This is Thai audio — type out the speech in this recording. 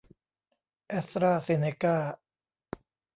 แอสตร้าเซนเนก้า